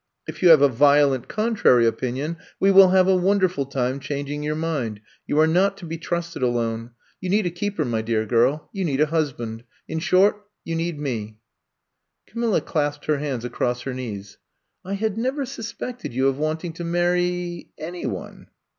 If you have a violent contrary opinion, we will have a wonderful time changing your mind. You are not to be trusted alone. You need a I'VE COMB TO STAY 39 keeper, my dear girl. You need a husband. In short, you need mel'* Camilla clasped her hands a<5ross her knees. '*I had never suspected you of wanting to marry — any one.